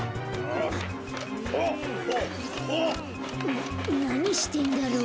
ななにしてんだろ？